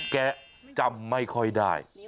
แกจำไม่ค่อยได้